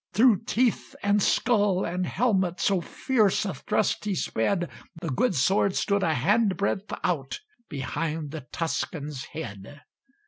Through teeth, and skull, and helmet, So fierce a thrust he sped, The good sword stood a handbreadth out Behind the Tuscan's head.